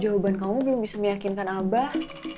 jawaban kamu belum bisa meyakinkan abah